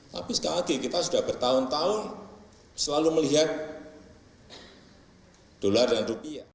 tapi sekali lagi kita sudah bertahun tahun selalu melihat dolar dan rupiah